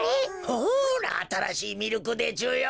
ほらあたらしいミルクでちゅよ。